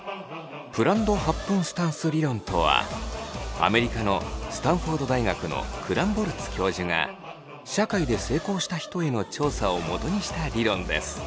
プランドハップンスタンス理論とはアメリカのスタンフォード大学のクランボルツ教授が社会で成功した人への調査をもとにした理論です。